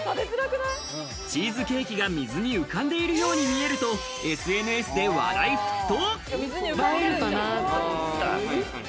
チーズケーキが水に浮かんでいるように見えるとＳＮＳで話題沸騰。